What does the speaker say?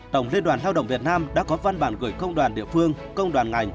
tổng liên đoàn lao động việt nam đã có văn bản gửi công đoàn địa phương công đoàn ngành